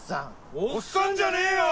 おっさんじゃねえよ！